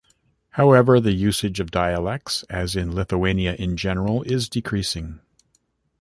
However the usage of dialects, as in Lithuania in general, is decreasing.